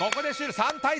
３対３！